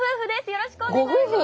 よろしくお願いします！